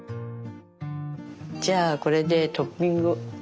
じゃあこれでトッピング。